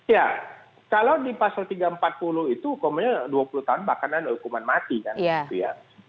ya kalau di pasal tiga ratus empat puluh itu hukumnya dua puluh tahun bahkan hukuman mati kan